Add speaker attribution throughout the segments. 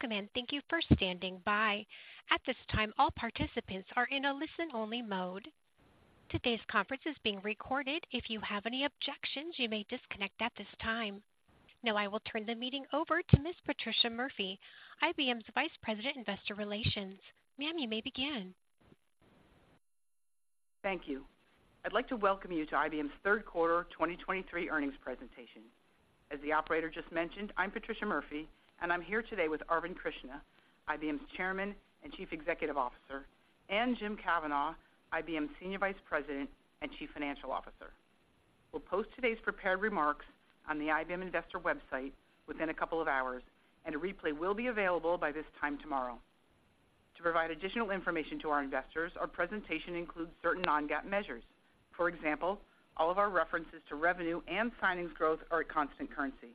Speaker 1: Welcome, and thank you for standing by. At this time, all participants are in a listen-only mode. Today's conference is being recorded. If you have any objections, you may disconnect at this time. Now, I will turn the meeting over to Ms. Patricia Murphy, IBM's Vice President, Investor Relations. Ma'am, you may begin.
Speaker 2: Thank you. I'd like to welcome you to IBM's Third Quarter 2023 Earnings Presentation. As the operator just mentioned, I'm Patricia Murphy, and I'm here today with Arvind Krishna, IBM's Chairman and Chief Executive Officer, and Jim Kavanaugh, IBM's Senior Vice President and Chief Financial Officer. We'll post today's prepared remarks on the IBM Investor website within a couple of hours, and a replay will be available by this time tomorrow. To provide additional information to our investors, our presentation includes certain non-GAAP measures. For example, all of our references to revenue and signings growth are at constant currency.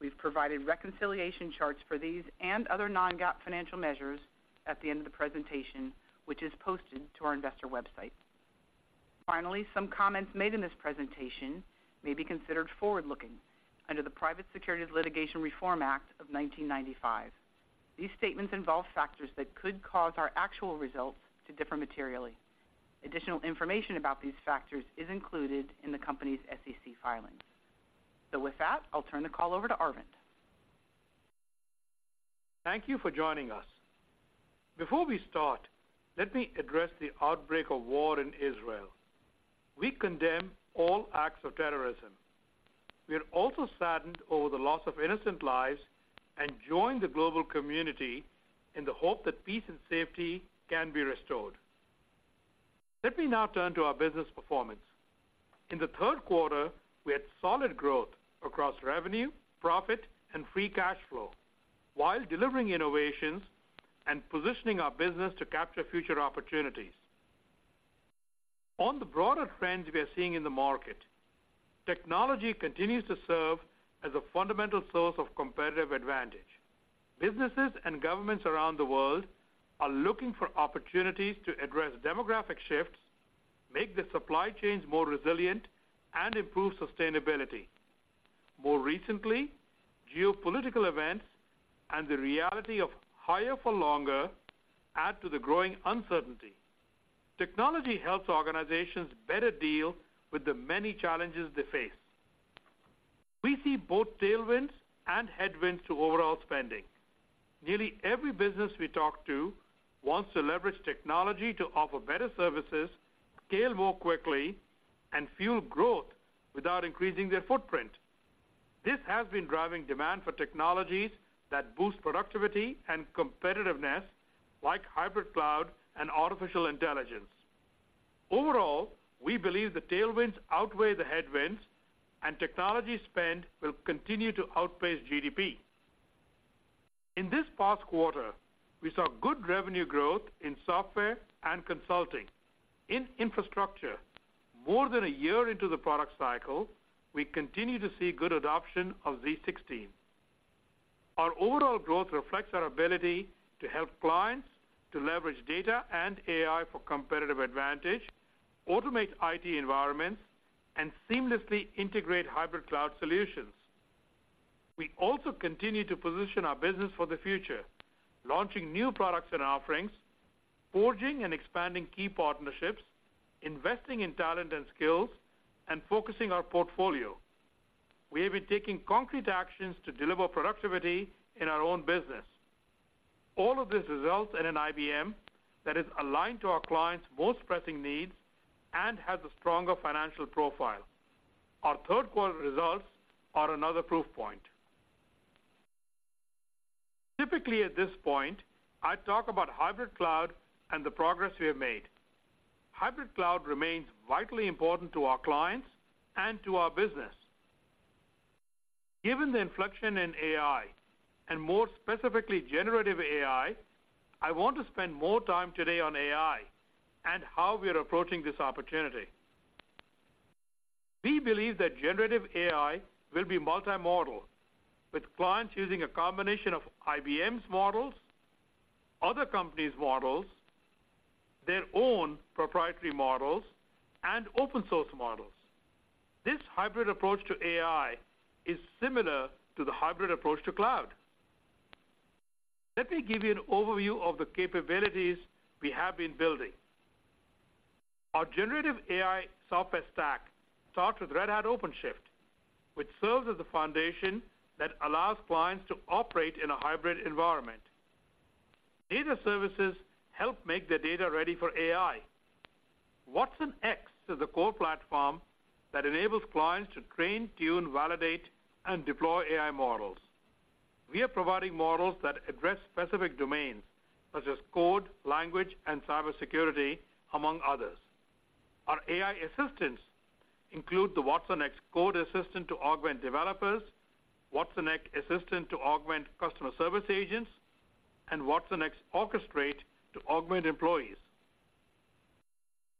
Speaker 2: We've provided reconciliation charts for these and other non-GAAP financial measures at the end of the presentation, which is posted to our investor website. Finally, some comments made in this presentation may be considered forward-looking under the Private Securities Litigation Reform Act of 1995. These statements involve factors that could cause our actual results to differ materially. Additional information about these factors is included in the company's SEC filings. With that, I'll turn the call over to Arvind.
Speaker 3: Thank you for joining us. Before we start, let me address the outbreak of war in Israel. We condemn all acts of terrorism. We are also saddened over the loss of innocent lives and join the global community in the hope that peace and safety can be restored. Let me now turn to our business performance. In the third quarter, we had solid growth across revenue, profit, and free cash flow while delivering innovations and positioning our business to capture future opportunities. On the broader trends we are seeing in the market, technology continues to serve as a fundamental source of competitive advantage. Businesses and governments around the world are looking for opportunities to address demographic shifts, make the supply chains more resilient, and improve sustainability. More recently, geopolitical events and the reality of higher for longer add to the growing uncertainty. Technology helps organizations better deal with the many challenges they face. We see both tailwinds and headwinds to overall spending. Nearly every business we talk to wants to leverage technology to offer better services, scale more quickly, and fuel growth without increasing their footprint. This has been driving demand for technologies that boost productivity and competitiveness, like hybrid cloud and artificial intelligence. Overall, we believe the tailwinds outweigh the headwinds, and technology spend will continue to outpace GDP. In this past quarter, we saw good revenue growth in software and consulting. In infrastructure, more than a year into the product cycle, we continue to see good adoption of z16. Our overall growth reflects our ability to help clients to leverage data and AI for competitive advantage, automate IT environments, and seamlessly integrate hybrid cloud solutions. We also continue to position our business for the future, launching new products and offerings, forging and expanding key partnerships, investing in talent and skills, and focusing our portfolio. We have been taking concrete actions to deliver productivity in our own business. All of this results in an IBM that is aligned to our clients' most pressing needs and has a stronger financial profile. Our third quarter results are another proof point. Typically, at this point, I talk about hybrid cloud and the progress we have made. Hybrid cloud remains vitally important to our clients and to our business. Given the inflection in AI, and more specifically, generative AI, I want to spend more time today on AI and how we are approaching this opportunity. We believe that generative AI will be multimodal, with clients using a combination of IBM's models, other companies' models, their own proprietary models, and open source models. This hybrid approach to AI is similar to the hybrid approach to cloud. Let me give you an overview of the capabilities we have been building. Our generative AI software stack starts with Red Hat OpenShift, which serves as the foundation that allows clients to operate in a hybrid environment. Data services help make the data ready for AI. watsonx is a core platform that enables clients to train, tune, validate, and deploy AI models. We are providing models that address specific domains such as code, language, and cybersecurity, among others. Our AI assistants include the watsonx Code Assistant to augment developers, watsonx Assistant to augment customer service agents, and watsonx Orchestrate to augment employees.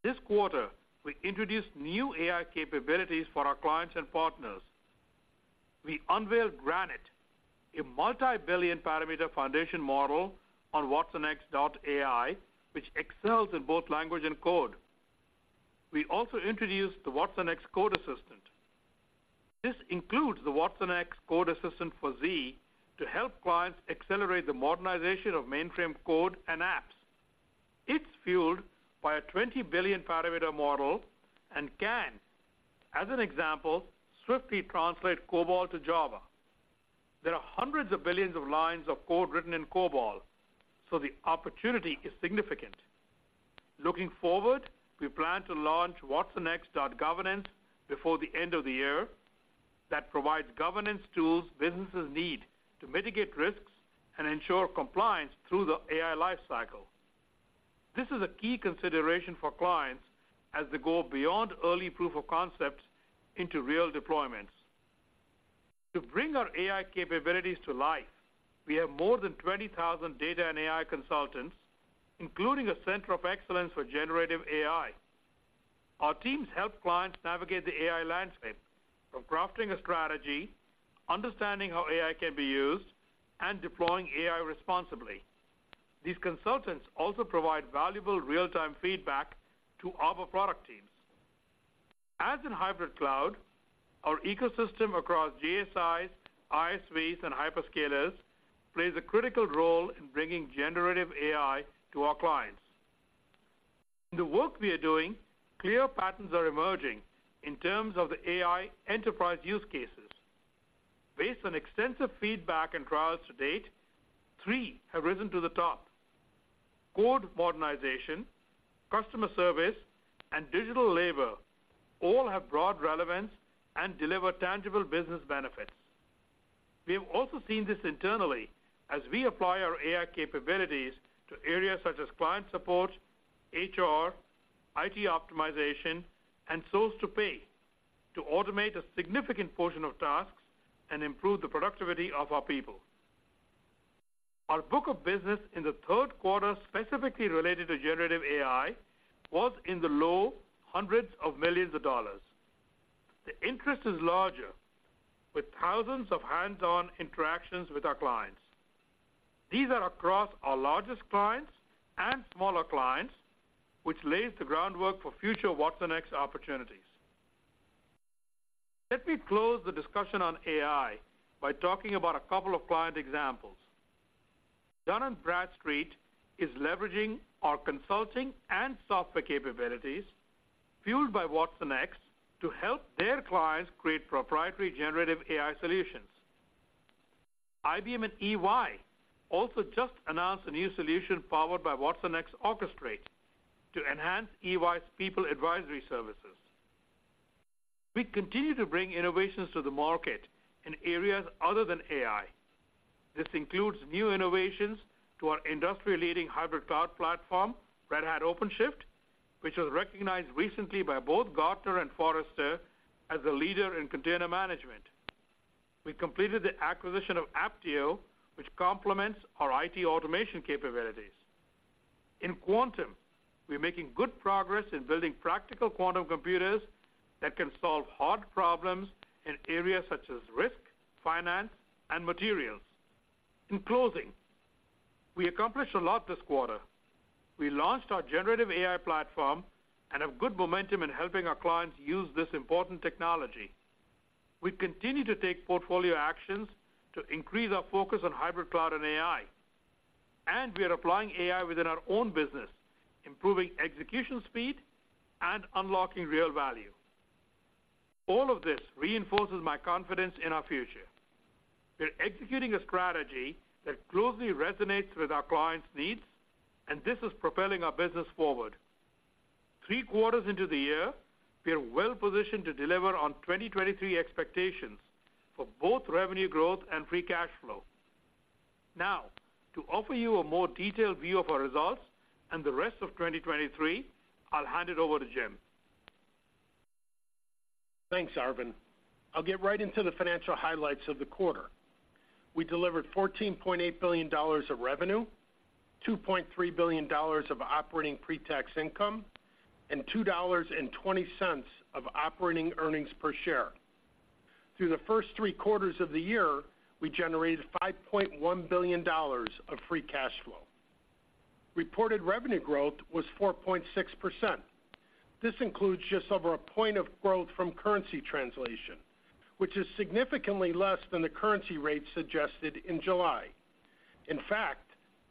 Speaker 3: This quarter, we introduced new AI capabilities for our clients and partners. We unveiled Granite, a multi-billion parameter foundation model on watsonx.ai, which excels in both language and code. We also introduced the watsonx Code Assistant. This includes the Code Assistant for Z to help clients accelerate the modernization of mainframe code and apps. It's fueled by a 20 billion parameter model, and can, as an example, swiftly translate COBOL to Java. There are hundreds of billions of lines of code written in COBOL, so the opportunity is significant. Looking forward, we plan to launch watsonx.governance before the end of the year that provides governance tools businesses need to mitigate risks and ensure compliance through the AI life cycle. This is a key consideration for clients as they go beyond early proof of concepts into real deployments. To bring our AI capabilities to life, we have more than 20,000 data and AI consultants, including a center of excellence for generative AI. Our teams help clients navigate the AI landscape, from crafting a strategy, understanding how AI can be used, and deploying AI responsibly. These consultants also provide valuable real-time feedback to our product teams. As in hybrid cloud, our ecosystem across GSIs, ISVs, and hyperscalers plays a critical role in bringing generative AI to our clients. In the work we are doing, clear patterns are emerging in terms of the AI enterprise use cases. Based on extensive feedback and trials to date, three have risen to the top: code modernization, customer service, and digital labor all have broad relevance and deliver tangible business benefits. We have also seen this internally as we apply our AI capabilities to areas such as client support, HR, IT optimization, and source to pay, to automate a significant portion of tasks and improve the productivity of our people. Our book of business in the third quarter, specifically related to generative AI, was in the low hundreds of millions of dollars. The interest is larger, with thousands of hands-on interactions with our clients. These are across our largest clients and smaller clients, which lays the groundwork for future watsonx opportunities. Let me close the discussion on AI by talking about a couple of client examples. Dun & Bradstreet is leveraging our consulting and software capabilities, fueled by watsonx, to help their clients create proprietary generative AI solutions. IBM and EY also just announced a new solution powered by watsonx Orchestrate to enhance EY's People Advisory Services. We continue to bring innovations to the market in areas other than AI. This includes new innovations to our industry-leading hybrid cloud platform, Red Hat OpenShift, which was recognized recently by both Gartner and Forrester as a leader in container management. We completed the acquisition of Apptio, which complements our IT automation capabilities. In Quantum, we're making good progress in building practical quantum computers that can solve hard problems in areas such as risk, finance, and materials. In closing, we accomplished a lot this quarter. We launched our generative AI platform and have good momentum in helping our clients use this important technology. We continue to take portfolio actions to increase our focus on hybrid cloud and AI, and we are applying AI within our own business, improving execution speed and unlocking real value. All of this reinforces my confidence in our future. We're executing a strategy that closely resonates with our clients' needs, and this is propelling our business forward. Three quarters into the year, we are well positioned to deliver on 2023 expectations for both revenue growth and free cash flow. Now, to offer you a more detailed view of our results and the rest of 2023, I'll hand it over to Jim.
Speaker 4: Thanks, Arvind. I'll get right into the financial highlights of the quarter. We delivered $14.8 billion of revenue, $2.3 billion of operating pre-tax income, and $2.20 of operating earnings per share. Through the first three quarters of the year, we generated $5.1 billion of free cash flow. Reported revenue growth was 4.6%. This includes just over one point of growth from currency translation, which is significantly less than the currency rate suggested in July. In fact,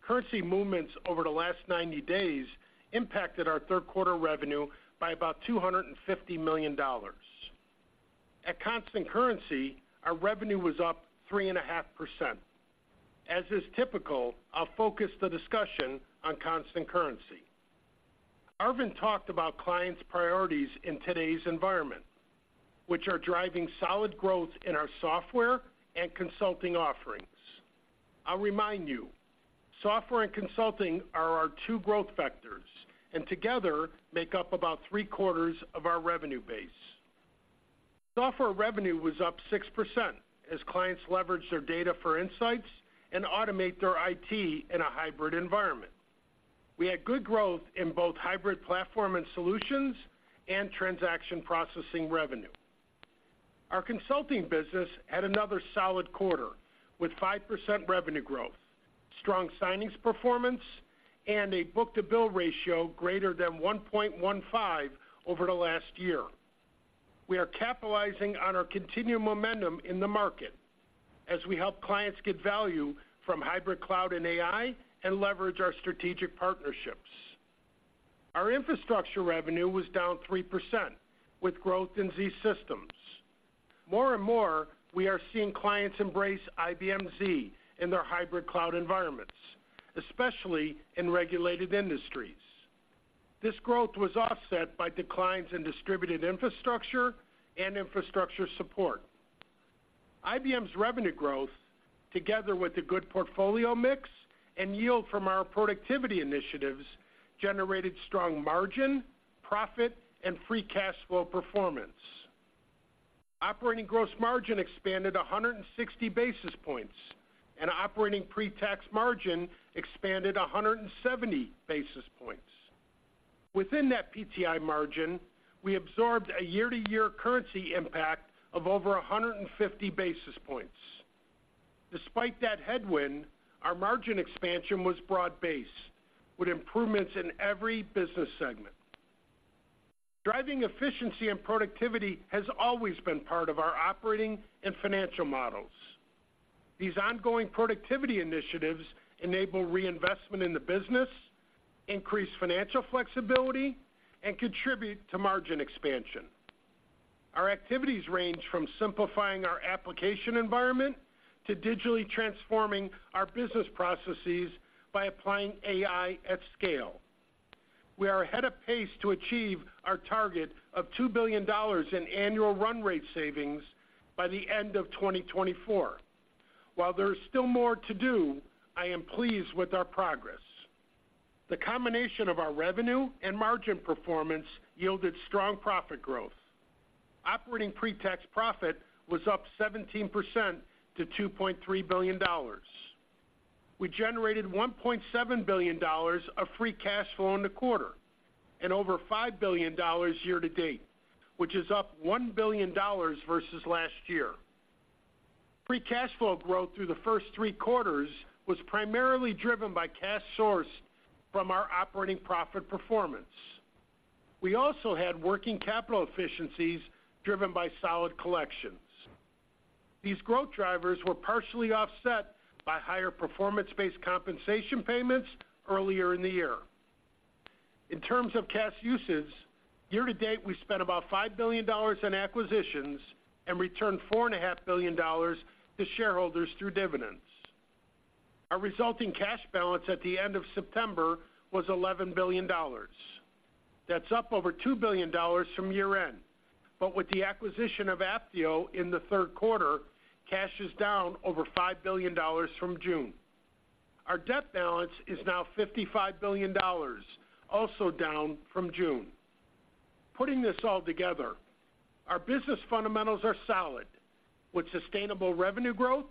Speaker 4: currency movements over the last 90 days impacted our third quarter revenue by about $250 million. At constant currency, our revenue was up 3.5%. As is typical, I'll focus the discussion on constant currency. Arvind talked about clients' priorities in today's environment, which are driving solid growth in our software and consulting offerings. I'll remind you, software and consulting are our two growth vectors, and together make up about three-quarters of our revenue base. Software revenue was up 6%, as clients leverage their data for insights and automate their IT in a hybrid environment. We had good growth in both hybrid platform and solutions and transaction processing revenue. Our consulting business had another solid quarter, with 5% revenue growth, strong signings performance, and a book-to-bill ratio greater than 1.15 over the last year. We are capitalizing on our continued momentum in the market as we help clients get value from hybrid cloud and AI and leverage our strategic partnerships. Our infrastructure revenue was down 3%, with growth in Z Systems. More and more, we are seeing clients embrace IBM Z in their hybrid cloud environments, especially in regulated industries. This growth was offset by declines in distributed infrastructure and infrastructure support. IBM's revenue growth, together with the good portfolio mix and yield from our productivity initiatives, generated strong margin, profit, and free cash flow performance. Operating gross margin expanded 160 basis points, and operating pre-tax margin expanded 170 basis points. Within that PTI margin, we absorbed a year-to-year currency impact of over 150 basis points. Despite that headwind, our margin expansion was broad-based, with improvements in every business segment. Driving efficiency and productivity has always been part of our operating and financial models. These ongoing productivity initiatives enable reinvestment in the business, increase financial flexibility, and contribute to margin expansion. Our activities range from simplifying our application environment to digitally transforming our business processes by applying AI at scale. We are ahead of pace to achieve our target of $2 billion in annual run rate savings by the end of 2024. While there is still more to do, I am pleased with our progress. The combination of our revenue and margin performance yielded strong profit growth. Operating pre-tax profit was up 17% to $2.3 billion. We generated $1.7 billion of free cash flow in the quarter, and over $5 billion year to date, which is up $1 billion versus last year. Free cash flow growth through the first three quarters was primarily driven by cash sourced from our operating profit performance. We also had working capital efficiencies driven by solid collections. These growth drivers were partially offset by higher performance-based compensation payments earlier in the year. In terms of cash uses, year to date, we spent about $5 billion in acquisitions and returned $4.5 billion to shareholders through dividends. Our resulting cash balance at the end of September was $11 billion. That's up over $2 billion from year-end, but with the acquisition of Apptio in the third quarter, cash is down over $5 billion from June. Our debt balance is now $55 billion, also down from June. Putting this all together, our business fundamentals are solid, with sustainable revenue growth,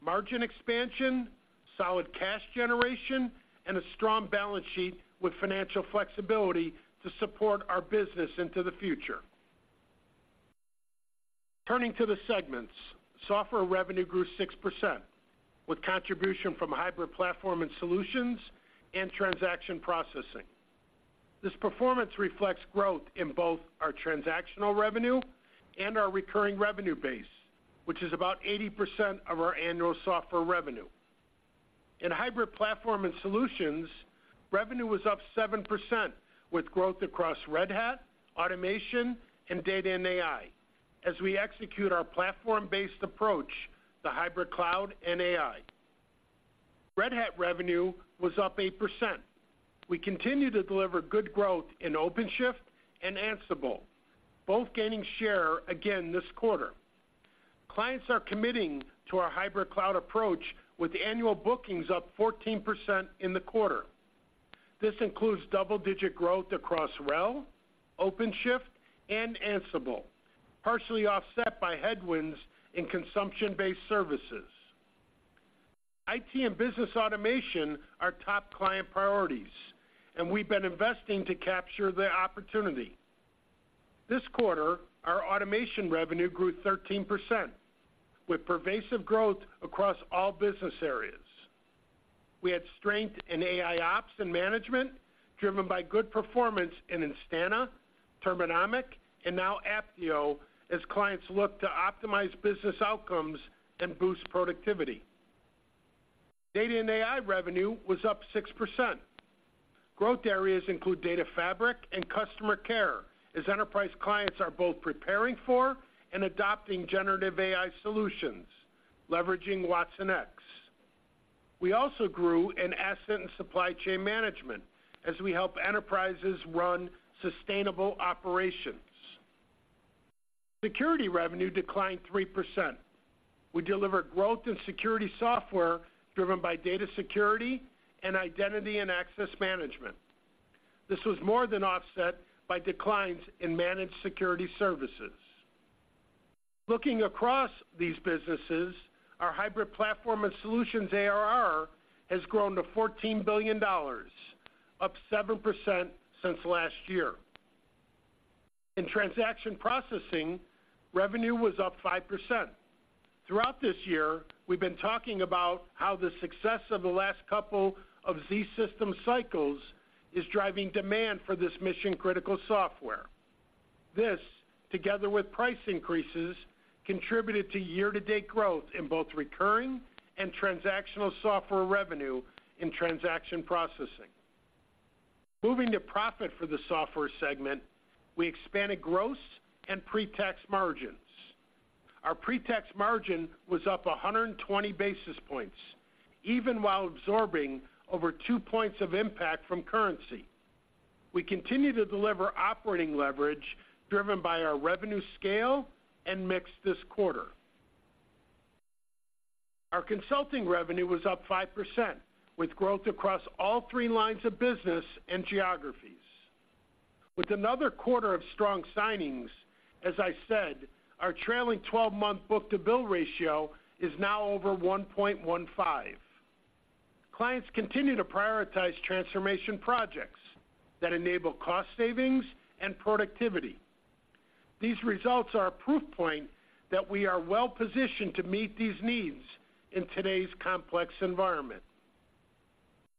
Speaker 4: margin expansion, solid cash generation, and a strong balance sheet with financial flexibility to support our business into the future. Turning to the segments, software revenue grew 6%, with contribution from hybrid platform and solutions and transaction processing. This performance reflects growth in both our transactional revenue and our recurring revenue base, which is about 80% of our annual software revenue. In hybrid platform and solutions, revenue was up 7%, with growth across Red Hat, automation, and data and AI, as we execute our platform-based approach to hybrid cloud and AI. Red Hat revenue was up 8%. We continue to deliver good growth in OpenShift and Ansible, both gaining share again this quarter. Clients are committing to our hybrid cloud approach, with annual bookings up 14% in the quarter. This includes double-digit growth across RHEL, OpenShift, and Ansible, partially offset by headwinds in consumption-based services. IT and business automation are top client priorities, and we've been investing to capture the opportunity. This quarter, our automation revenue grew 13%, with pervasive growth across all business areas. We had strength in AIOps and management, driven by good performance in Instana, Turbonomic, and now Apptio, as clients look to optimize business outcomes and boost productivity. Data and AI revenue was up 6%. Growth areas include data fabric and customer care, as enterprise clients are both preparing for and adopting generative AI solutions, leveraging watsonx. We also grew in asset and supply chain management as we help enterprises run sustainable operations. Security revenue declined 3%. We delivered growth in security software driven by data security and identity and access management. This was more than offset by declines in managed security services. Looking across these businesses, our hybrid platform and solutions ARR has grown to $14 billion, up 7% since last year. In transaction processing, revenue was up 5%. Throughout this year, we've been talking about how the success of the last couple of Z system cycles is driving demand for this mission-critical software. This, together with price increases, contributed to year-to-date growth in both recurring and transactional software revenue in transaction processing. Moving to profit for the software segment, we expanded gross and pre-tax margins. Our pre-tax margin was up 120 basis points, even while absorbing over two points of impact from currency. We continue to deliver operating leverage, driven by our revenue scale and mix this quarter. Our consulting revenue was up 5%, with growth across all three lines of business and geographies. With another quarter of strong signings, as I said, our trailing 12-month book-to-bill ratio is now over 1.15. Clients continue to prioritize transformation projects that enable cost savings and productivity. These results are a proof point that we are well-positioned to meet these needs in today's complex environment.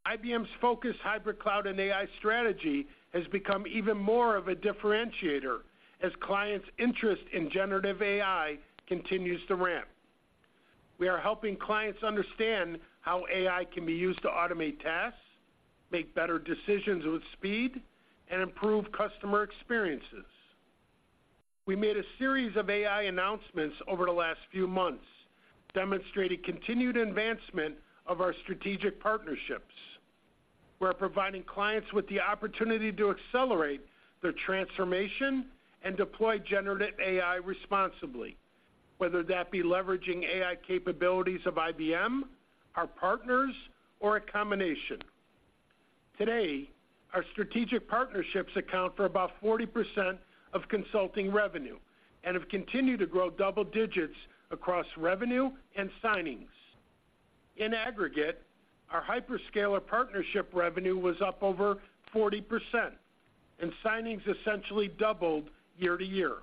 Speaker 4: IBM's focused Hybrid Cloud and AI strategy has become even more of a differentiator as clients' interest in generative AI continues to ramp. We are helping clients understand how AI can be used to automate tasks, make better decisions with speed, and improve customer experiences. We made a series of AI announcements over the last few months, demonstrating continued advancement of our strategic partnerships. We're providing clients with the opportunity to accelerate their transformation and deploy generative AI responsibly, whether that be leveraging AI capabilities of IBM, our partners, or a combination. Today, our strategic partnerships account for about 40% of consulting revenue and have continued to grow double digits across revenue and signings. In aggregate, our hyperscaler partnership revenue was up over 40%, and signings essentially doubled year-to-year.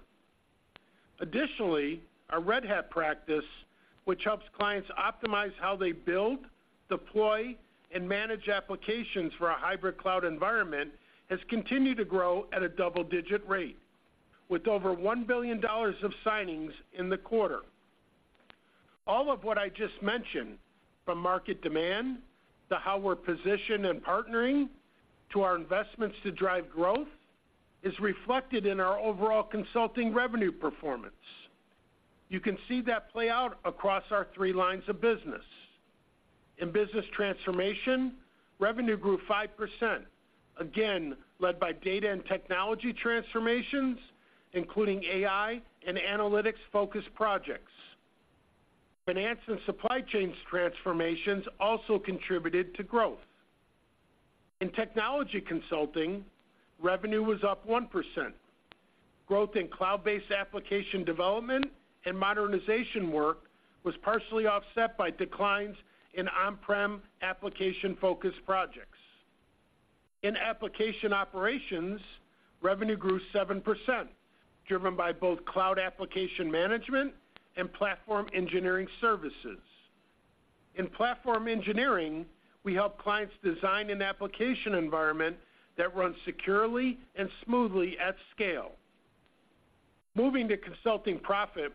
Speaker 4: Additionally, our Red Hat practice, which helps clients optimize how they build, deploy, and manage applications for a hybrid cloud environment, has continued to grow at a double-digit rate, with over $1 billion of signings in the quarter. All of what I just mentioned, from market demand to how we're positioned and partnering, to our investments to drive growth, is reflected in our overall consulting revenue performance. You can see that play out across our three lines of business. In business transformation, revenue grew 5%, again, led by data and technology transformations, including AI and analytics-focused projects. Finance and supply chains transformations also contributed to growth. In technology consulting, revenue was up 1%. Growth in cloud-based application development and modernization work was partially offset by declines in on-prem application-focused projects. In application operations, revenue grew 7%, driven by both cloud application management and platform engineering services. In platform engineering, we help clients design an application environment that runs securely and smoothly at scale. Moving to consulting profit,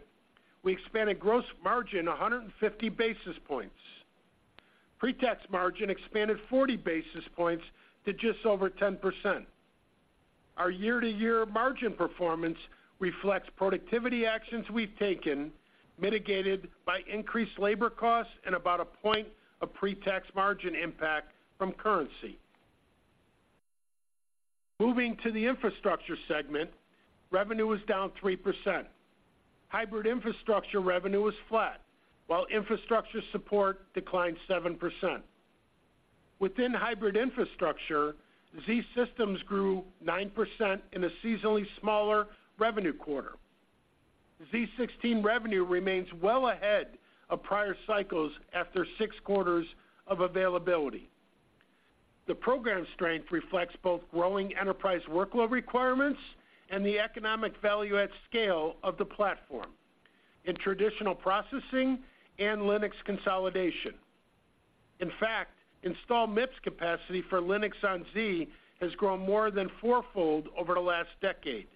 Speaker 4: we expanded gross margin 150 basis points. Pre-tax margin expanded 40 basis points to just over 10%. Our year-to-year margin performance reflects productivity actions we've taken, mitigated by increased labor costs and about a point of pre-tax margin impact from currency. Moving to the infrastructure segment, revenue was down 3%. Hybrid infrastructure revenue was flat, while infrastructure support declined 7%. Within hybrid infrastructure, Z Systems grew 9% in a seasonally smaller revenue quarter. z16 revenue remains well ahead of prior cycles after six quarters of availability. The program strength reflects both growing enterprise workload requirements and the economic value at scale of the platform in traditional processing and Linux consolidation. In fact, installed MIPS capacity for Linux on Z has grown more than fourfold over the last decade.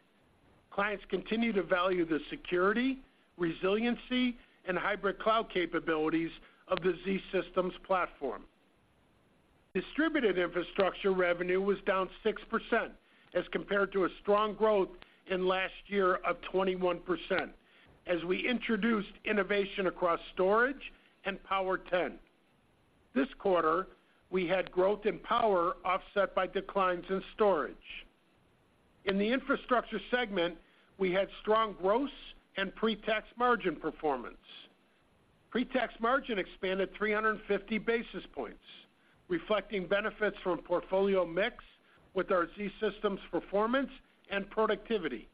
Speaker 4: Clients continue to value the security, resiliency, and hybrid cloud capabilities of the Z Systems platform. Distributed infrastructure revenue was down 6% as compared to a strong growth in last year of 21%, as we introduced innovation across storage and Power10. This quarter, we had growth in Power, offset by declines in storage. In the infrastructure segment, we had strong gross and pre-tax margin performance. Pre-tax margin expanded 350 basis points, reflecting benefits from portfolio mix with our Z Systems performance and productivity,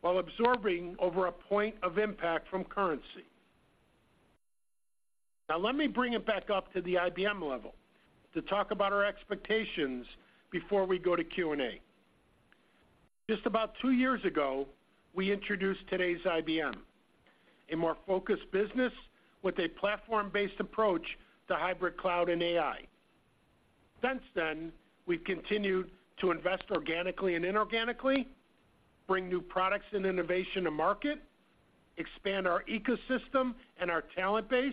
Speaker 4: while absorbing over a point of impact from currency. Now let me bring it back up to the IBM level to talk about our expectations before we go to Q&A. Just about two years ago, we introduced today's IBM, a more focused business with a platform-based approach to hybrid cloud and AI. Since then, we've continued to invest organically and inorganically, bring new products and innovation to market, expand our ecosystem and our talent base,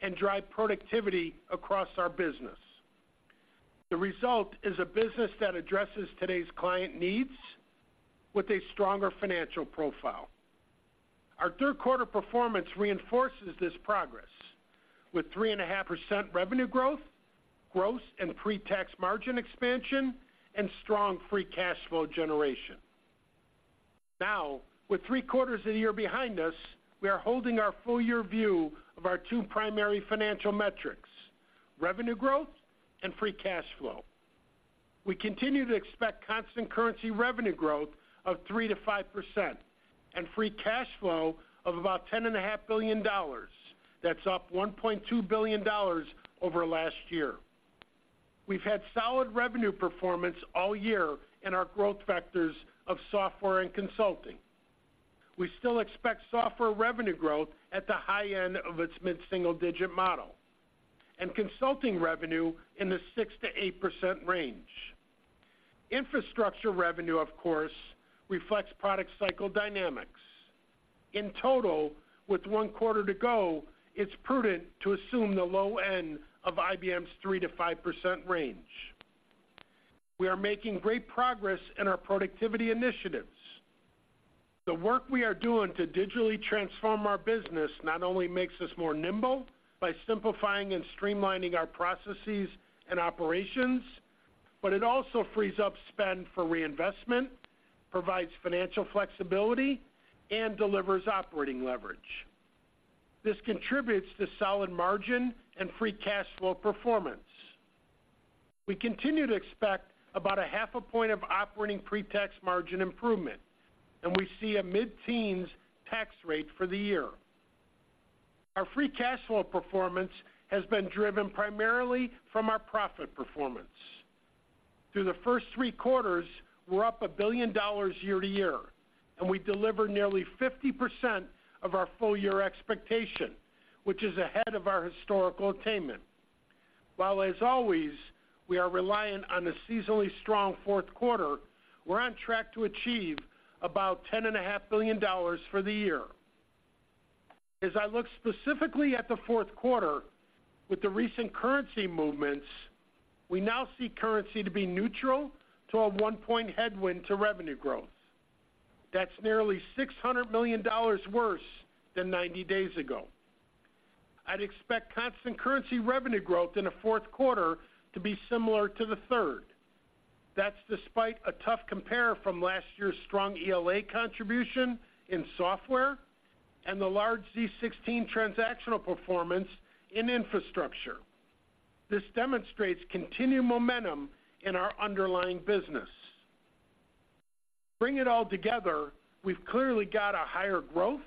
Speaker 4: and drive productivity across our business. The result is a business that addresses today's client needs with a stronger financial profile. Our third quarter performance reinforces this progress with 3.5% revenue growth, gross and pre-tax margin expansion, and strong free cash flow generation. Now, with three quarters of the year behind us, we are holding our full year view of our two primary financial metrics: revenue growth and free cash flow. We continue to expect constant currency revenue growth of 3%-5% and free cash flow of about $10.5 billion. That's up $1.2 billion over last year. We've had solid revenue performance all year in our growth vectors of software and consulting. We still expect software revenue growth at the high end of its mid-single-digit model, and consulting revenue in the 6%-8% range. Infrastructure revenue, of course, reflects product cycle dynamics. In total, with one quarter to go, it's prudent to assume the low end of IBM's 3%-5% range. We are making great progress in our productivity initiatives. The work we are doing to digitally transform our business not only makes us more nimble by simplifying and streamlining our processes and operations, but it also frees up spend for reinvestment, provides financial flexibility, and delivers operating leverage. This contributes to solid margin and free cash flow performance. We continue to expect about 0.5 point of operating pre-tax margin improvement, and we see a mid-teens tax rate for the year. Our free cash flow performance has been driven primarily from our profit performance. Through the first three quarters, we're up $1 billion year-over-year, and we delivered nearly 50% of our full year expectation, which is ahead of our historical attainment. While, as always, we are reliant on a seasonally strong fourth quarter, we're on track to achieve about $10.5 billion for the year. As I look specifically at the fourth quarter, with the recent currency movements, we now see currency to be neutral to a one-point headwind to revenue growth. That's nearly $600 million worse than 90 days ago. I'd expect constant currency revenue growth in the fourth quarter to be similar to the third. That's despite a tough compare from last year's strong ELA contribution in software and the large z16 transactional performance in infrastructure. This demonstrates continued momentum in our underlying business. Bring it all together, we've clearly got a higher growth,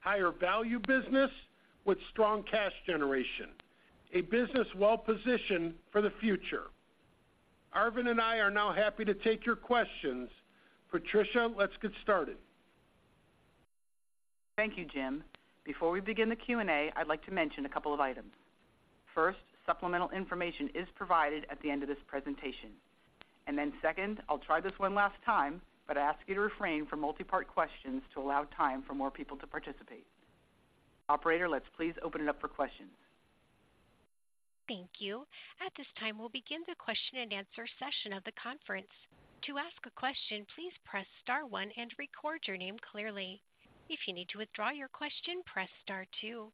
Speaker 4: higher value business with strong cash generation, a business well-positioned for the future. Arvind and I are now happy to take your questions. Patricia, let's get started.
Speaker 2: Thank you, Jim. Before we begin the Q&A, I'd like to mention a couple of items. First, supplemental information is provided at the end of this presentation. Then second, I'll try this one last time, but I ask you to refrain from multi-part questions to allow time for more people to participate. Operator, let's please open it up for questions.
Speaker 1: Thank you. At this time, we'll begin the question-and-answer session of the conference. To ask a question, please press star one and record your name clearly. If you need to withdraw your question, press star two.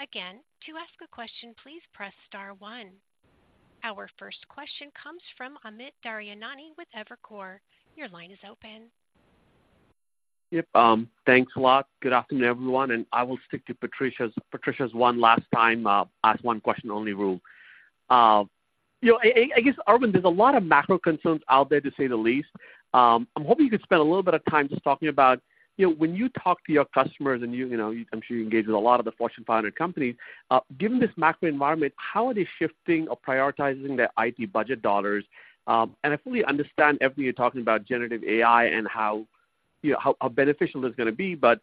Speaker 1: Again, to ask a question, please press star one. Our first question comes from Amit Daryanani with Evercore. Your line is open.
Speaker 5: Yep, thanks a lot. Good afternoon, everyone, and I will stick to Patricia's one last time ask one question only rule. You know, I guess, Arvind, there's a lot of macro concerns out there, to say the least. I'm hoping you could spend a little bit of time just talking about, you know, when you talk to your customers and you know, I'm sure you engage with a lot of the Fortune 500 companies, given this macro environment, how are they shifting or prioritizing their IT budget dollars? And I fully understand every year talking about generative AI and how, you know, how beneficial it's gonna be. But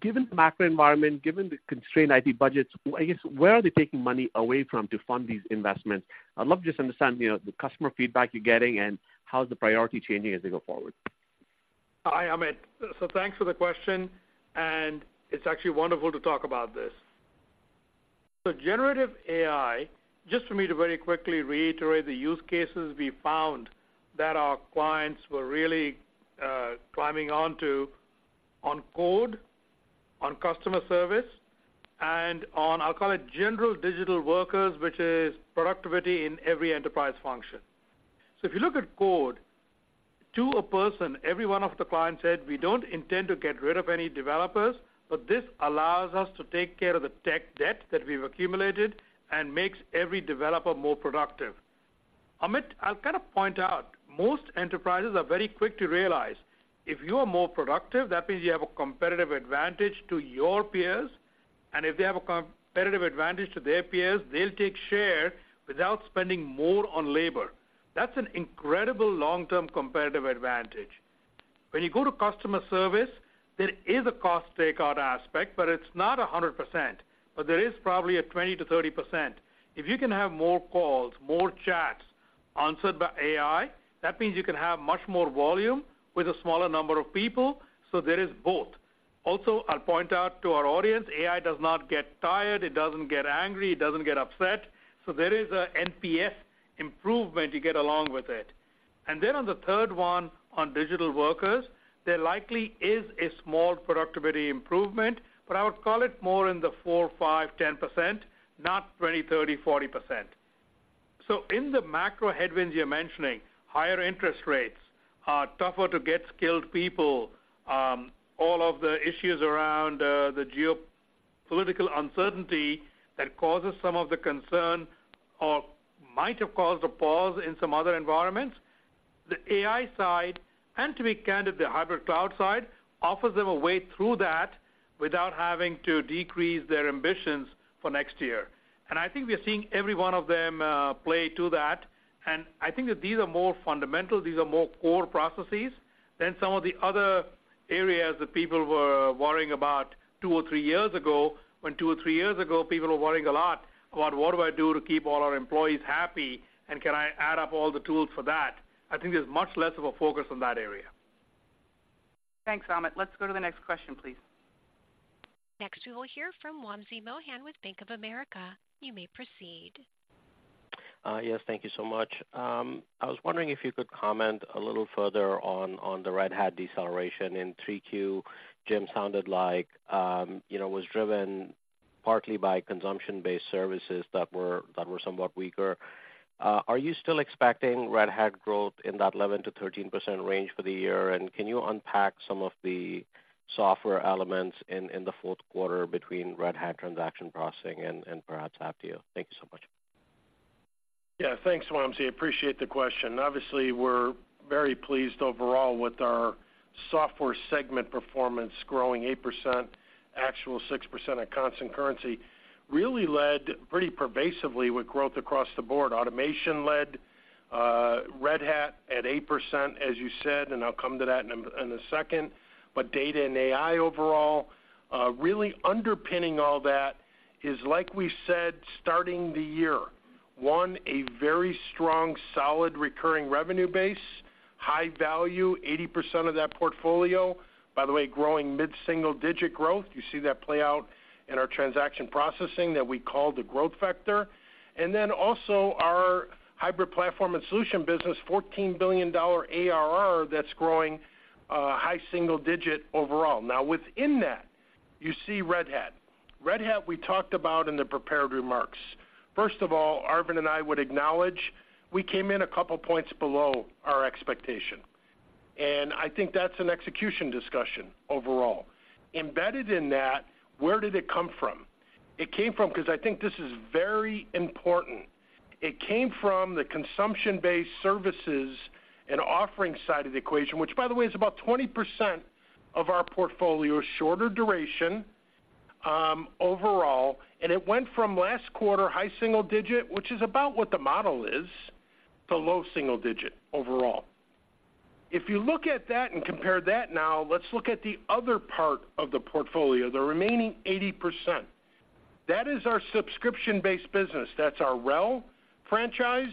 Speaker 5: given the macro environment, given the constrained IT budgets, I guess, where are they taking money away from to fund these investments? I'd love to just understand, you know, the customer feedback you're getting and how's the priority changing as they go forward.
Speaker 3: Hi, Amit. So thanks for the question, and it's actually wonderful to talk about this. So generative AI, just for me to very quickly reiterate the use cases we found that our clients were really climbing onto on code, on customer service, and on, I'll call it, general digital workers, which is productivity in every enterprise function. So if you look at code, to a person, every one of the clients said, "We don't intend to get rid of any developers, but this allows us to take care of the tech debt that we've accumulated and makes every developer more productive." Amit, I'll kind of point out, most enterprises are very quick to realize if you are more productive, that means you have a competitive advantage to your peers, and if they have a competitive advantage to their peers, they'll take share without spending more on labor. That's an incredible long-term competitive advantage. When you go to customer service, there is a cost takeout aspect, but it's not 100%, but there is probably a 20%-30%. If you can have more calls, more chats answered by AI, that means you can have much more volume with a smaller number of people, so there is both. Also, I'll point out to our audience, AI does not get tired, it doesn't get angry, it doesn't get upset, so there is a NPS improvement you get along with it. And then on the third one, on digital workers, there likely is a small productivity improvement, but I would call it more in the 4%, 5%, 10%, not 20%, 30%, 40%. So in the macro headwinds you're mentioning, higher interest rates are tougher to get skilled people, all of the issues around, the geopolitical uncertainty that causes some of the concern or might have caused a pause in some other environments. The AI side, and to be candid, the hybrid cloud side, offers them a way through that without having to decrease their ambitions for next year. And I think we are seeing every one of them, play to that. And I think that these are more fundamental, these are more core processes than some of the other areas that people were worrying about two or three years ago, when two or three years ago, people were worrying a lot about: What do I do to keep all our employees happy, and can I add up all the tools for that? I think there's much less of a focus on that area.
Speaker 2: Thanks, Amit. Let's go to the next question, please.
Speaker 1: Next, we will hear from Wamsi Mohan with Bank of America. You may proceed.
Speaker 6: Yes, thank you so much. I was wondering if you could comment a little further on the Red Hat deceleration in 3Q. Jim sounded like, you know, it was driven partly by consumption-based services that were somewhat weaker. Are you still expecting Red Hat growth in that 11%-13% range for the year? And can you unpack some of the software elements in the fourth quarter between Red Hat transaction processing and perhaps Apptio? Thank you so much.
Speaker 4: Yeah, thanks, Wamsi. Appreciate the question. Obviously, we're very pleased overall with our software segment performance growing 8%, actual 6% at constant currency, really led pretty pervasively with growth across the board. Automation led, Red Hat at 8%, as you said, and I'll come to that in a second. But data and AI overall, really underpinning all that is, like we said, starting the year, one, a very strong, solid, recurring revenue base, high value, 80% of that portfolio, by the way, growing mid-single-digit growth. You see that play out in our transaction processing that we call the growth factor. And then also our hybrid platform and solution business, $14 billion ARR, that's growing, high single-digit overall. Now within that, you see Red Hat. Red Hat, we talked about in the prepared remarks. First of all, Arvind and I would acknowledge we came in a couple of points below our expectation, and I think that's an execution discussion overall. Embedded in that, where did it come from? It came from... Because I think this is very important. It came from the consumption-based services and offering side of the equation, which, by the way, is about 20% of our portfolio, shorter duration, overall, and it went from last quarter, high single digit, which is about what the model is, to low single digit overall. If you look at that and compare that now, let's look at the other part of the portfolio, the remaining 80%. That is our subscription-based business. That's our RHEL franchise,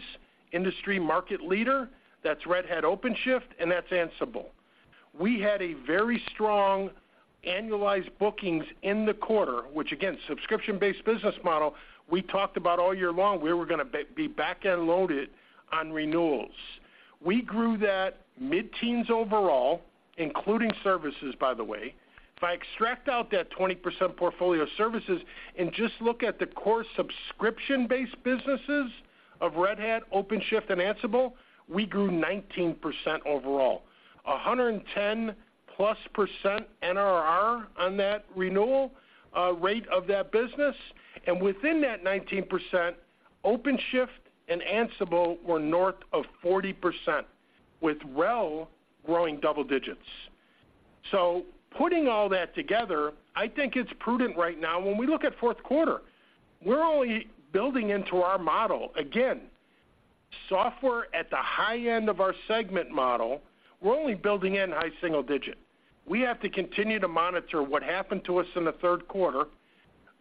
Speaker 4: industry market leader, that's Red Hat OpenShift, and that's Ansible. We had a very strong annualized bookings in the quarter, which again, subscription-based business model we talked about all year long, where we're gonna be back-end loaded on renewals. We grew that mid-teens overall, including services, by the way. If I extract out that 20% portfolio services and just look at the core subscription-based businesses of Red Hat, OpenShift, and Ansible, we grew 19% overall. 110+% NRR on that renewal rate of that business, and within that 19%, OpenShift and Ansible were north of 40%, with RHEL growing double digits. So putting all that together, I think it's prudent right now. When we look at fourth quarter, we're only building into our model. Again, software at the high end of our segment model, we're only building in high single digit. We have to continue to monitor what happened to us in the third quarter,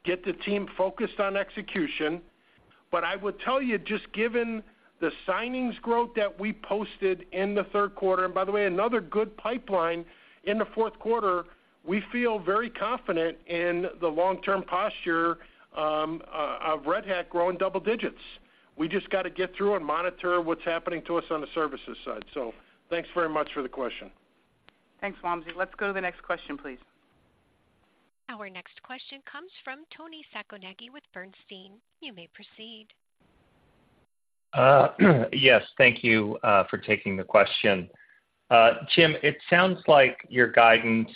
Speaker 4: get the team focused on execution. But I would tell you, just given the signings growth that we posted in the third quarter, and by the way, another good pipeline in the fourth quarter, we feel very confident in the long-term posture of Red Hat growing double digits. We just got to get through and monitor what's happening to us on the services side. So thanks very much for the question.
Speaker 2: Thanks, Wamsi. Let's go to the next question, please.
Speaker 1: Our next question comes from Toni Sacconaghi with Bernstein. You may proceed.
Speaker 7: Yes, thank you for taking the question. Jim, it sounds like your guidance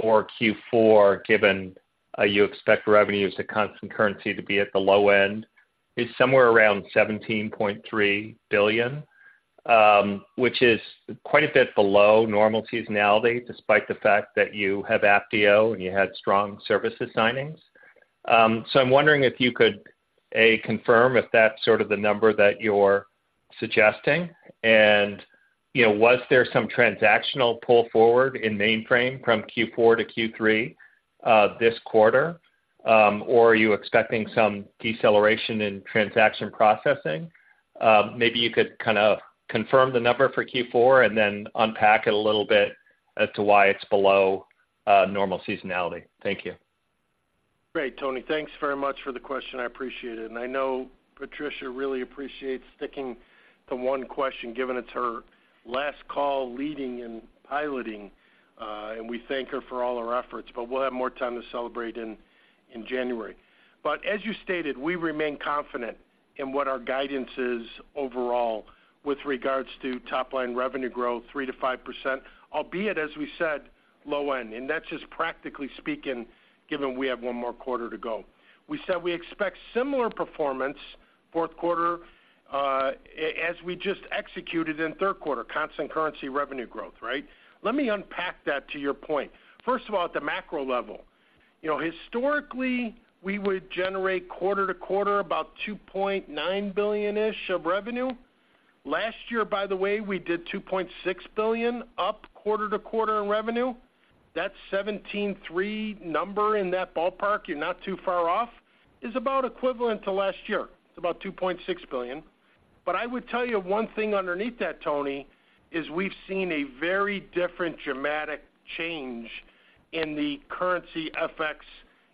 Speaker 7: for Q4, given you expect revenues to constant currency to be at the low end, is somewhere around $17.3 billion, which is quite a bit below normal seasonality, despite the fact that you have Apptio and you had strong services signings. So I'm wondering if you could, A, confirm if that's sort of the number that you're suggesting, and, you know, was there some transactional pull forward in mainframe from Q4 to Q3 this quarter? Or are you expecting some deceleration in transaction processing? Maybe you could kind of confirm the number for Q4 and then unpack it a little bit as to why it's below normal seasonality. Thank you.
Speaker 4: Great, Toni. Thanks very much for the question. I appreciate it, and I know Patricia really appreciates sticking to one question, given it's her last call leading and piloting, and we thank her for all her efforts, but we'll have more time to celebrate in January. But as you stated, we remain confident in what our guidance is overall with regards to top-line revenue growth, 3%-5%, albeit, as we said, low end. And that's just practically speaking, given we have one more quarter to go. We said we expect similar performance fourth quarter, as we just executed in third quarter, constant currency revenue growth, right? Let me unpack that to your point. First of all, at the macro level, you know, historically, we would generate quarter to quarter about $2.9 billion-ish of revenue. Last year, by the way, we did $2.6 billion, up quarter-to-quarter in revenue. That $1.73 number in that ballpark, you're not too far off, is about equivalent to last year. It's about $2.6 billion. But I would tell you one thing underneath that, Toni, is we've seen a very different dramatic change in the currency FX,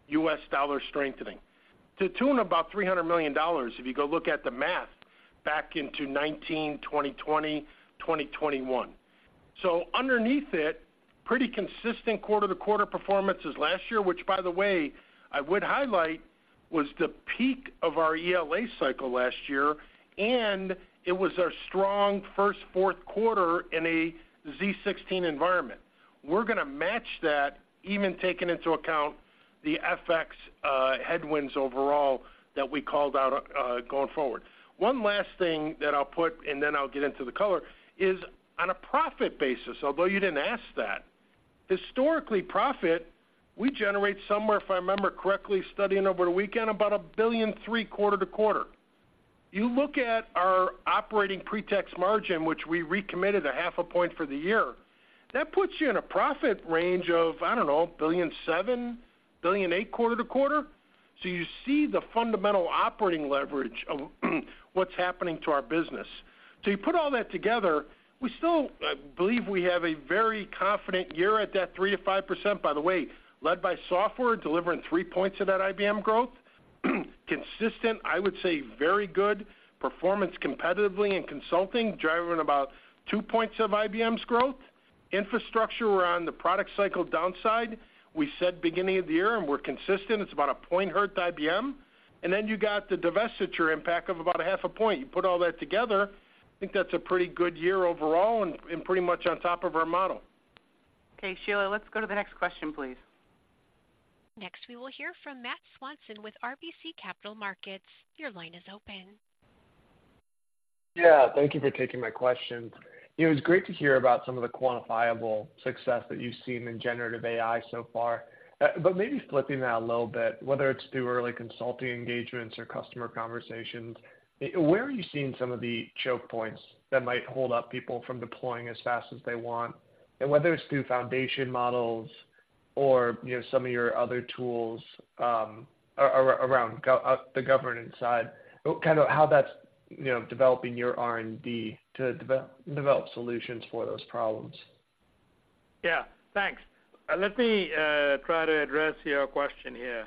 Speaker 4: U.S. dollar strengthening. To the tune of about $300 million, if you go look at the math back into 2019, 2020, 2021. So underneath it, pretty consistent quarter-to-quarter performance as last year, which, by the way, I would highlight, was the peak of our ELA cycle last year, and it was our strong first fourth quarter in a z16 environment. We're going to match that, even taking into account the FX headwinds overall that we called out going forward. One last thing that I'll put, and then I'll get into the color, is on a profit basis, although you didn't ask that, historically, profit, we generate somewhere, if I remember correctly, studying over the weekend, about $1.3 billion quarter to quarter. You look at our operating pre-tax margin, which we recommitted 0.5 point for the year, that puts you in a profit range of, I don't know, $1.7 billion-$1.8 billion quarter to quarter. So you see the fundamental operating leverage of what's happening to our business. So you put all that together, we still believe we have a very confident year at that 3%-5%, by the way, led by software, delivering three points of that IBM growth. Consistent, I would say very good performance competitively in consulting, driving about two points of IBM's growth. Infrastructure, we're on the product cycle downside. We said beginning of the year, and we're consistent. It's about a point hurt to IBM. And then you got the divestiture impact of about a half a point. You put all that together. I think that's a pretty good year overall and, and pretty much on top of our model.
Speaker 2: Okay, Sheila, let's go to the next question, please.
Speaker 1: Next, we will hear from Matt Swanson with RBC Capital Markets. Your line is open.
Speaker 8: Yeah, thank you for taking my questions. It was great to hear about some of the quantifiable success that you've seen in generative AI so far. But maybe flipping that a little bit, whether it's through early consulting engagements or customer conversations, where are you seeing some of the choke points that might hold up people from deploying as fast as they want? And whether it's through foundation models or, you know, some of your other tools, around the governance side, kind of how that's, you know, developing your R&D to develop solutions for those problems.
Speaker 3: Yeah, thanks. Let me try to address your question here.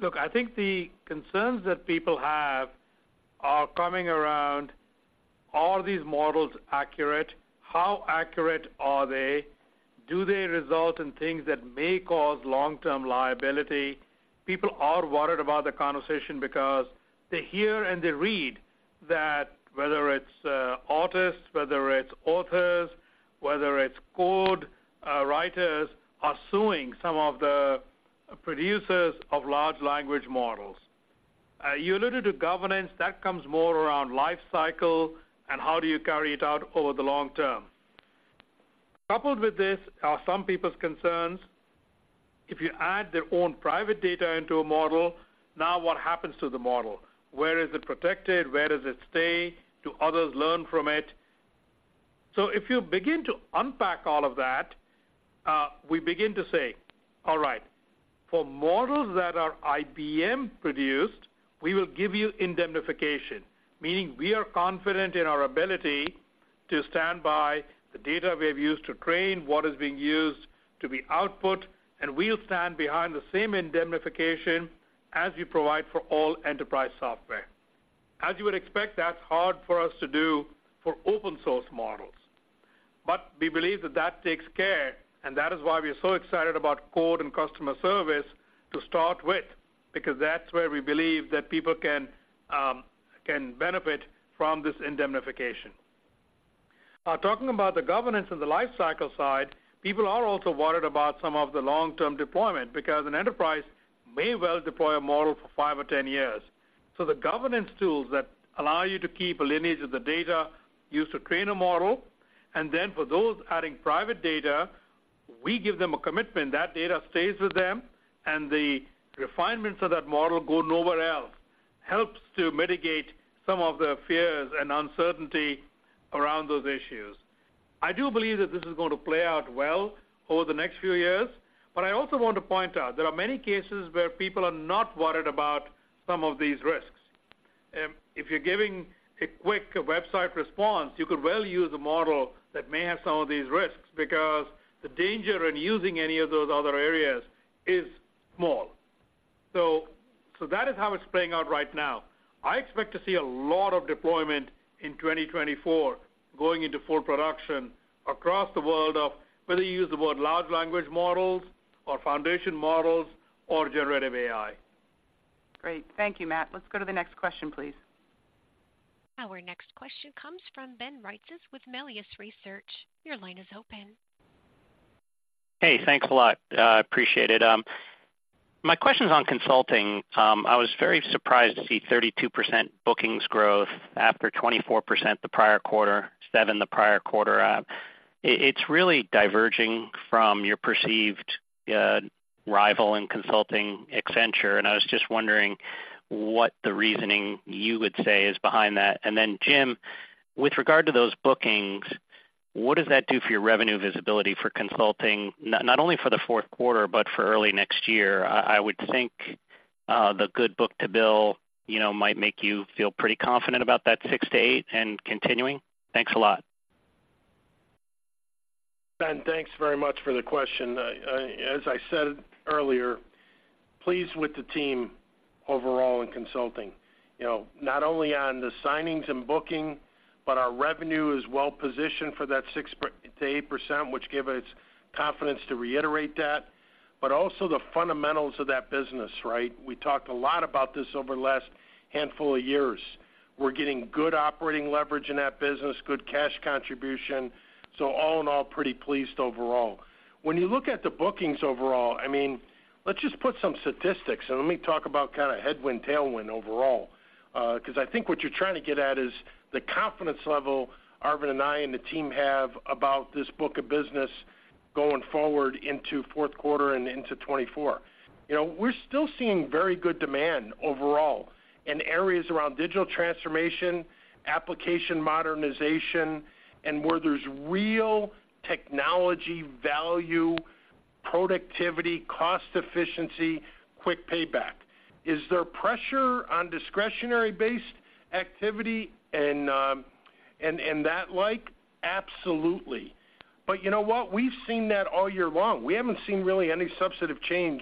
Speaker 3: Look, I think the concerns that people have are coming around, are these models accurate? How accurate are they? Do they result in things that may cause long-term liability? People are worried about the conversation because they hear and they read that whether it's artists, whether it's authors, whether it's code writers, are suing some of the producers of large language models. You alluded to governance, that comes more around life cycle and how do you carry it out over the long term. Coupled with this are some people's concerns, if you add their own private data into a model, now what happens to the model? Where is it protected? Where does it stay? Do others learn from it? So if you begin to unpack all of that, we begin to say, all right, for models that are IBM-produced, we will give you indemnification, meaning we are confident in our ability to stand by the data we have used to train, what is being used to be output, and we'll stand behind the same indemnification as we provide for all enterprise software. As you would expect, that's hard for us to do for open-source models. But we believe that that takes care, and that is why we are so excited about code and customer service to start with, because that's where we believe that people can can benefit from this indemnification. Talking about the governance and the life cycle side, people are also worried about some of the long-term deployment, because an enterprise may well deploy a model for five or 10 years. So the governance tools that allow you to keep a lineage of the data used to train a model, and then for those adding private data, we give them a commitment. That data stays with them, and the refinements of that model go nowhere else, helps to mitigate some of the fears and uncertainty around those issues. I do believe that this is going to play out well over the next few years, but I also want to point out there are many cases where people are not worried about some of these risks. If you're giving a quick website response, you could well use a model that may have some of these risks because the danger in using any of those other areas is small. So that is how it's playing out right now. I expect to see a lot of deployment in 2024, going into full production across the world of whether you use the word large language models or foundation models or generative AI.
Speaker 2: Great. Thank you, Matt. Let's go to the next question, please.
Speaker 1: Our next question comes from Ben Reitzes with Melius Research. Your line is open.
Speaker 9: Hey, thanks a lot. Appreciate it. My question's on consulting. I was very surprised to see 32% bookings growth after 24% the prior quarter, seven the prior quarter. It's really diverging from your perceived rival in consulting, Accenture, and I was just wondering what the reasoning you would say is behind that. And then, Jim, with regard to those bookings, what does that do for your revenue visibility for consulting, not only for the fourth quarter, but for early next year? I would think the good book to bill, you know, might make you feel pretty confident about that 6%-8% and continuing. Thanks a lot.
Speaker 4: Ben, thanks very much for the question. As I said earlier, pleased with the team overall in consulting. You know, not only on the signings and booking, but our revenue is well positioned for that 6%-8%, which gives us confidence to reiterate that, but also the fundamentals of that business, right? We talked a lot about this over the last handful of years. We're getting good operating leverage in that business, good cash contribution, so all in all, pretty pleased overall. When you look at the bookings overall, I mean, let's just put some statistics, and let me talk about kind of headwind, tailwind overall, 'cause I think what you're trying to get at is the confidence level Arvind and I and the team have about this book of business going forward into fourth quarter and into 2024. You know, we're still seeing very good demand overall in areas around digital transformation, application modernization, and where there's real technology value, productivity, cost efficiency, quick payback. Is there pressure on discretionary-based activity and that like? Absolutely. But you know what? We've seen that all year long. We haven't seen really any substantive change